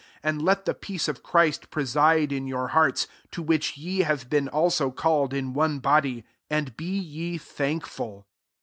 15 And let the peace of Christ, preside in your hearts, to which ye have been also called in one body ; suid be ye thankful.